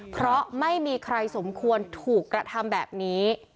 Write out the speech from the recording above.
เพราะไม่มีใครสมควรถูกกระทำแบบนี้